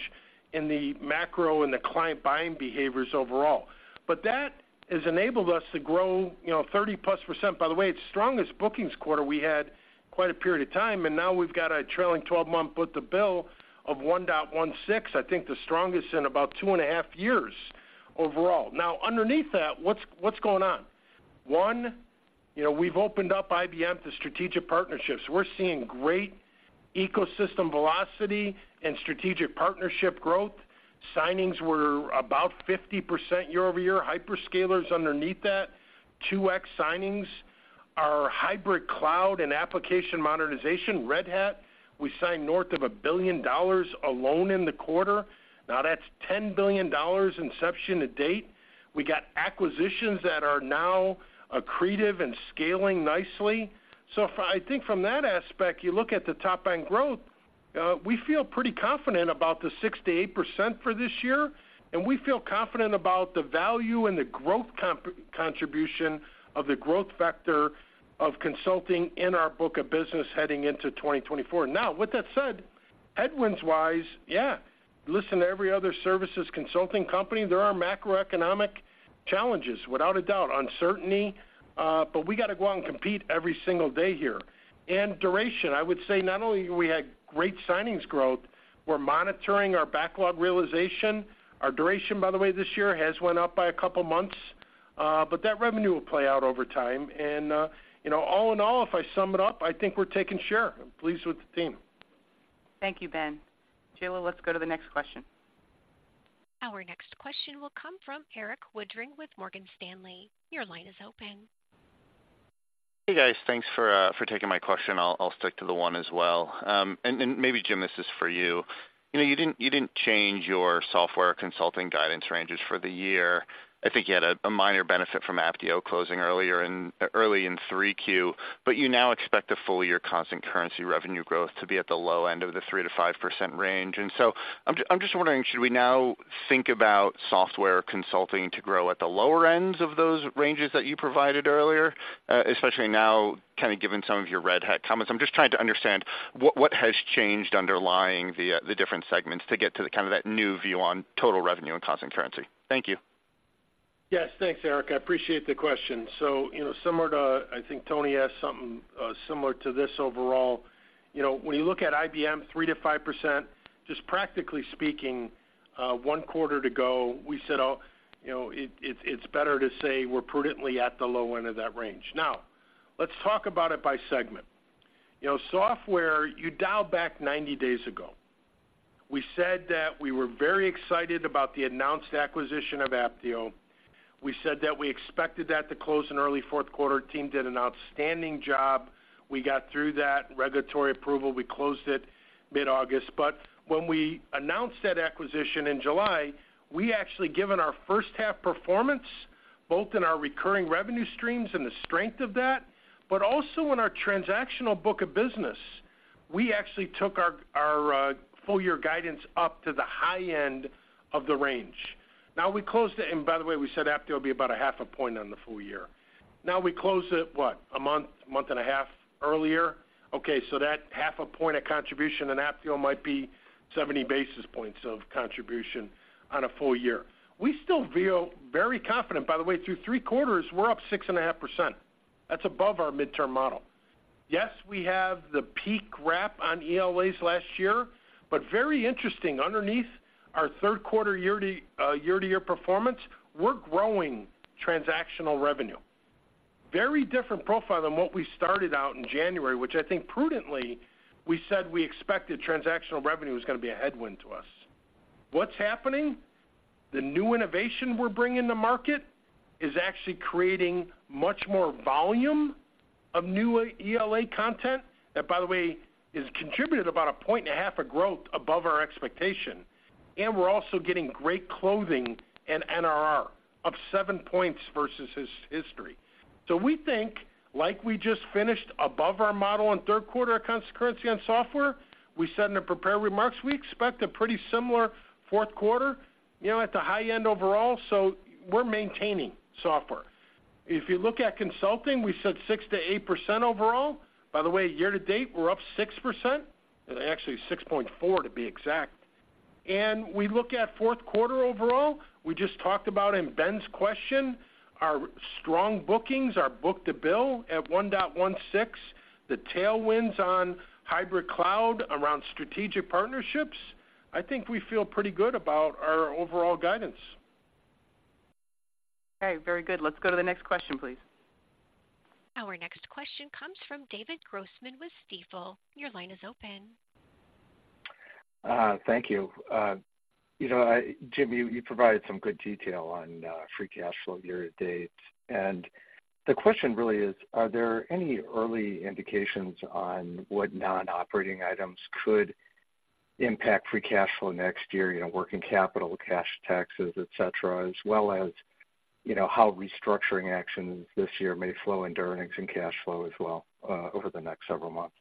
Speaker 4: in the macro and the client buying behaviors overall. But that has enabled us to grow, you know, 30+%. By the way, it's the strongest bookings quarter we had quite a period of time, and now we've got a trailing twelve-month book-to-bill of 1.16, I think the strongest in about 2.5 years overall. Now, underneath that, what's going on? One, you know, we've opened up IBM to strategic partnerships. We're seeing great ecosystem velocity and strategic partnership growth. Signings were about 50% year-over-year, hyperscalers underneath that, 2x signings. Our hybrid cloud and application modernization, Red Hat, we signed north of $1 billion alone in the quarter. Now, that's $10 billion inception to date. We got acquisitions that are now accretive and scaling nicely. So if I think from that aspect, you look at the top-line growth, we feel pretty confident about the 6%-8% for this year, and we feel confident about the value and the growth contribution of the growth vector of consulting in our book of business heading into 2024. Now, with that said, headwinds-wise, yeah, listen to every other services consulting company, there are macroeconomic challenges, without a doubt, uncertainty, but we got to go out and compete every single day here. Duration, I would say not only we had great signings growth, we're monitoring our backlog realization. Our duration, by the way, this year has went up by a couple months, but that revenue will play out over time. You know, all in all, if I sum it up, I think we're taking share. I'm pleased with the team.
Speaker 2: Thank you, Ben. Sheila, let's go to the next question.
Speaker 1: Our next question will come from Erik Woodring with Morgan Stanley. Your line is open.
Speaker 10: Hey, guys. Thanks for taking my question. I'll stick to the one as well. And then maybe, Jim, this is for you. You know, you didn't change your software consulting guidance ranges for the year. I think you had a minor benefit from Apptio closing earlier in 3Q, but you now expect the full year constant currency revenue growth to be at the low end of the 3%-5% range. And so I'm just wondering, should we now think about software consulting to grow at the lower ends of those ranges that you provided earlier, especially now, kind of given some of your Red Hat comments? I'm just trying to understand what, what has changed underlying the, the different segments to get to the kind of that new view on total revenue and constant currency. Thank you.
Speaker 4: Yes, thanks, Erik. I appreciate the question. So, you know, similar to, I think Toni asked something similar to this overall. You know, when you look at IBM, 3%-5%, just practically speaking, one quarter to go, we said, oh, you know, it's better to say we're prudently at the low end of that range. Now, let's talk about it by segment. You know, software, you dialed back 90 days ago. We said that we were very excited about the announced acquisition of Apptio. We said that we expected that to close in early fourth quarter. Team did an outstanding job. We got through that regulatory approval. We closed it mid-August. But when we announced that acquisition in July, we actually, given our first half performance, both in our recurring revenue streams and the strength of that, but also in our transactional book of business, we actually took our full year guidance up to the high end of the range. Now we closed it, and by the way, we said Apptio will be about a half a point on the full year. Now, we closed it, what? A month, month and a half earlier. Okay, so that half a point of contribution in Apptio might be 70 basis points of contribution on a full year. We still feel very confident, by the way, through three quarters, we're up 6.5%. That's above our midterm model. Yes, we have the peak wrap on ELAs last year, but very interesting, underneath our third quarter year-to-year performance, we're growing transactional revenue. Very different profile than what we started out in January, which I think prudently, we said we expected transactional revenue was going to be a headwind to us. What's happening? The new innovation we're bringing to market is actually creating much more volume of new ELA content, that, by the way, has contributed about 1.5 points of growth above our expectation, and we're also getting great traction and NRR of seven points versus its history. So we think, like we just finished above our model in third quarter, constant currency on software, we said in the prepared remarks, we expect a pretty similar fourth quarter, you know, at the high end overall, so we're maintaining software. If you look at consulting, we said 6%-8% overall. By the way, year to date, we're up 6%, actually 6.4%, to be exact. And we look at fourth quarter overall, we just talked about in Ben's question, our strong bookings, our book-to-bill at 1.16, the tailwinds on hybrid cloud around strategic partnerships. I think we feel pretty good about our overall guidance.
Speaker 2: Okay, very good. Let's go to the next question, please.
Speaker 1: Our next question comes from David Grossman with Stifel. Your line is open.
Speaker 11: Thank you. You know, Jim, you provided some good detail on free cash flow year to date. The question really is, are there any early indications on what non-operating items could impact free cash flow next year, you know, working capital, cash taxes, et cetera, as well as, you know, how restructuring actions this year may flow into earnings and cash flow as well, over the next several months?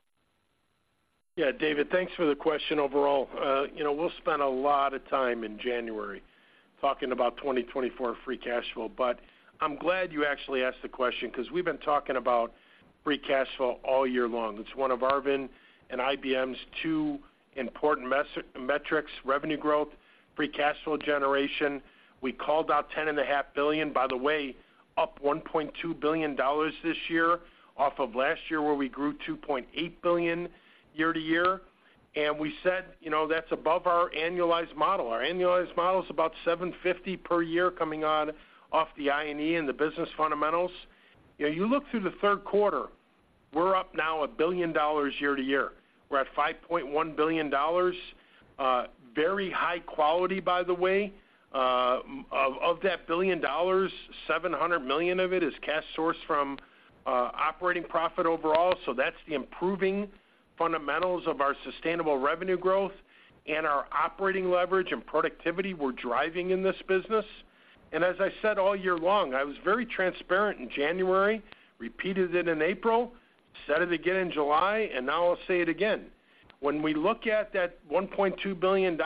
Speaker 4: Yeah, David, thanks for the question overall. You know, we'll spend a lot of time in January talking about 2024 free cash flow, but I'm glad you actually asked the question because we've been talking about free cash flow all year long. It's one of Arvind and IBM's two important metrics, revenue growth, free cash flow generation. We called out $10.5 billion, by the way, up $1.2 billion this year off of last year, where we grew $2.8 billion year to year. And we said, you know, that's above our annualized model. Our annualized model is about $750 million per year coming on off the I&E and the business fundamentals. You know, you look through the third quarter, we're up now $1 billion year to year. We're at $5.1 billion, very high quality, by the way. Of, of that billion dollars, $700 million of it is cash sourced from, operating profit overall. So that's the improving fundamentals of our sustainable revenue growth and our operating leverage and productivity we're driving in this business. And as I said all year long, I was very transparent in January, repeated it in April, said it again in July, and now I'll say it again. When we look at that $1.2 billion,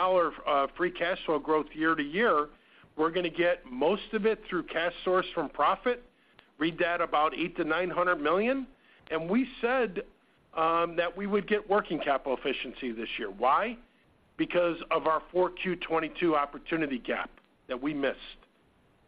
Speaker 4: free cash flow growth year to year, we're going to get most of it through cash source from profit. Read that about $800 million-$900 million, and we said, that we would get working capital efficiency this year. Why? Because of our 4Q22 opportunity gap that we missed.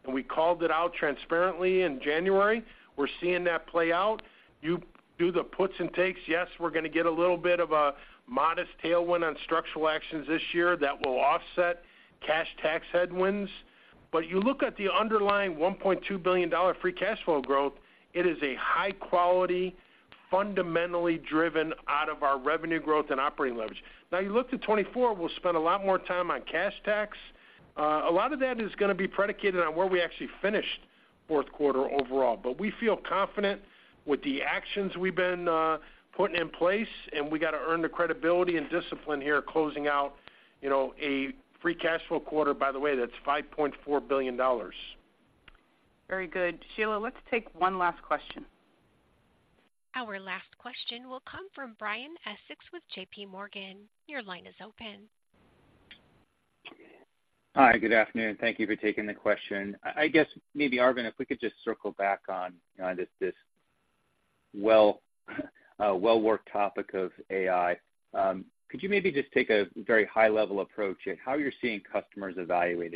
Speaker 4: And we called it out transparently in January. We're seeing that play out. You do the puts and takes. Yes, we're going to get a little bit of a modest tailwind on structural actions this year that will offset cash tax headwinds. But you look at the underlying $1.2 billion free cash flow growth, it is a high quality, fundamentally driven out of our revenue growth and operating leverage. Now, you look to 2024, we'll spend a lot more time on cash tax. A lot of that is going to be predicated on where we actually finished fourth quarter overall. But we feel confident with the actions we've been putting in place, and we got to earn the credibility and discipline here, closing out, you know, a free cash flow quarter, by the way, that's $5.4 billion.
Speaker 2: Very good. Sheila, let's take one last question.
Speaker 1: Our last question will come from Brian Essex with JPMorgan. Your line is open.
Speaker 12: Hi, good afternoon. Thank you for taking the question. I guess maybe, Arvind, if we could just circle back on this well-worked topic of AI. Could you maybe just take a very high-level approach at how you're seeing customers evaluate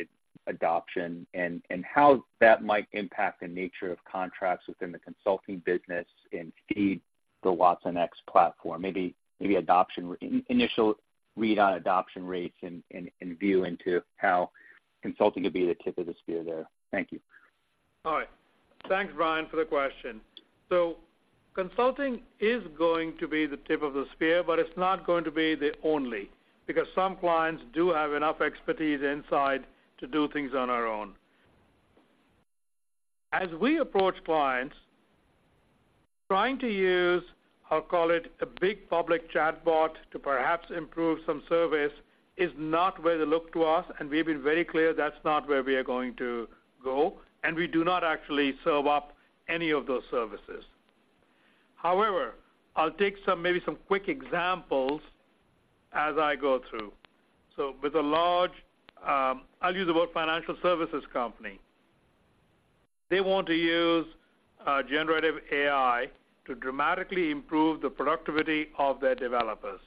Speaker 12: adoption and how that might impact the nature of contracts within the consulting business and feed the watsonx platform? Maybe adoption, initial read on adoption rates and view into how consulting could be the tip of the spear there. Thank you.
Speaker 3: All right. Thanks, Brian, for the question. So consulting is going to be the tip of the spear, but it's not going to be the only, because some clients do have enough expertise inside to do things on our own. As we approach clients, trying to use, I'll call it, a big public chatbot to perhaps improve some service, is not where they look to us, and we've been very clear that's not where we are going to go, and we do not actually serve up any of those services. However, I'll take some, maybe some quick examples as I go through. So with a large, I'll use the word financial services company. They want to use generative AI to dramatically improve the productivity of their developers.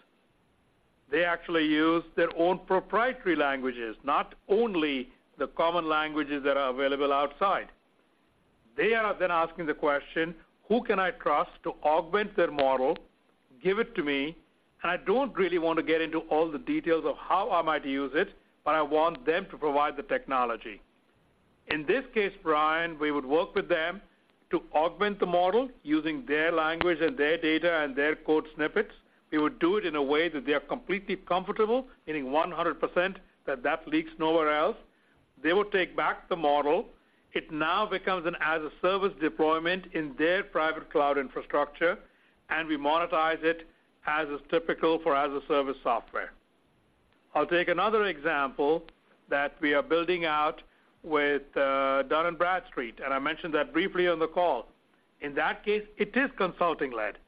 Speaker 3: They actually use their own proprietary languages, not only the common languages that are available outside. They are then asking the question, "Who can I trust to augment their model, give it to me, and I don't really want to get into all the details of how I might use it, but I want them to provide the technology?" In this case, Brian, we would work with them to augment the model using their language and their data and their code snippets. We would do it in a way that they are completely comfortable, meaning 100%, that that leaks nowhere else. They will take back the model. It now becomes an as-a-service deployment in their private cloud infrastructure, and we monetize it as is typical for as-a-service software. I'll take another example that we are building out with Dun & Bradstreet, and I mentioned that briefly on the call. In that case, it is consulting-led.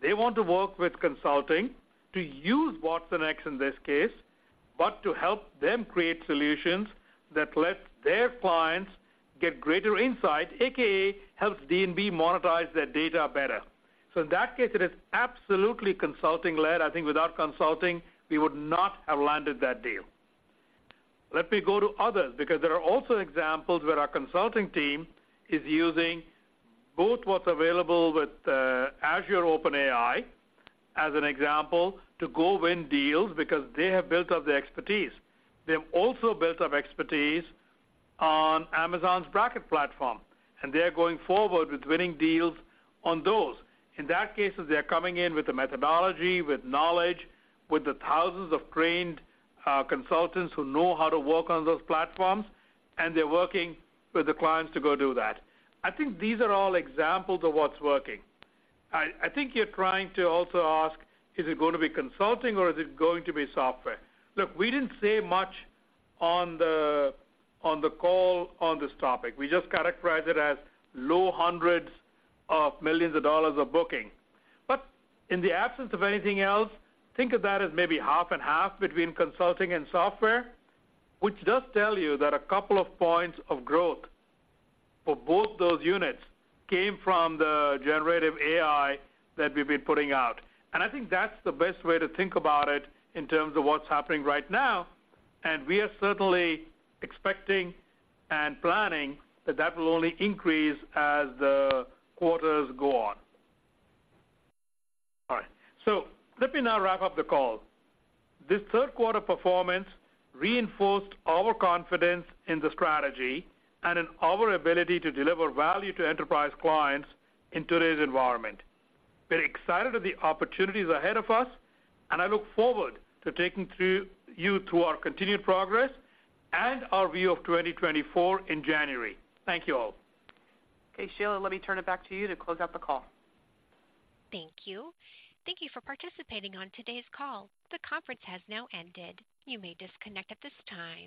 Speaker 3: They want to work with consulting to use watsonx in this case, but to help them create solutions that let their clients get greater insight, AKA, helps D&B monetize their data better. So in that case, it is absolutely consulting-led. I think without consulting, we would not have landed that deal. Let me go to others, because there are also examples where our consulting team is using both what's available with Azure OpenAI, as an example, to go win deals because they have built up the expertise. They have also built up expertise on Amazon's Braket platform, and they are going forward with winning deals on those. In that case, they are coming in with a methodology, with knowledge, with the thousands of trained consultants who know how to work on those platforms, and they're working with the clients to go do that. I think these are all examples of what's working. I think you're trying to also ask, is it going to be consulting or is it going to be software? Look, we didn't say much on the call on this topic. We just characterized it as low hundreds of millions of dollars of bookings. But in the absence of anything else, think of that as maybe half and half between consulting and software, which does tell you that a couple of points of growth for both those units came from the generative AI that we've been putting out. And I think that's the best way to think about it in terms of what's happening right now, and we are certainly expecting and planning that that will only increase as the quarters go on. All right, so let me now wrap up the call. This third quarter performance reinforced our confidence in the strategy and in our ability to deliver value to enterprise clients in today's environment. We're excited about the opportunities ahead of us, and I look forward to taking you through our continued progress and our view of 2024 in January. Thank you all.
Speaker 2: Okay, Sheila, let me turn it back to you to close out the call.
Speaker 1: Thank you. Thank you for participating on today's call. The conference has now ended. You may disconnect at this time.